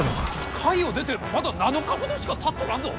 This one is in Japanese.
甲斐を出てまだ７日ほどしかたっとらんぞ！？